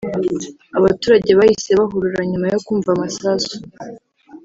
Abaturage bahise bahurura nyuma yo kumva amasasu